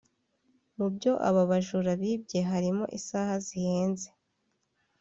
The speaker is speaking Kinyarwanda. Mu byo aba bajura bibye harimo isaha zihenze